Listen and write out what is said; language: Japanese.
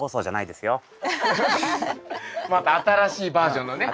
また新しいバージョンのね。